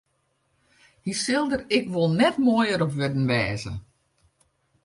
Hy sil der ek wol net moaier op wurden wêze.